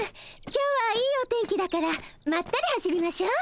今日はいいお天気だからまったり走りましょう。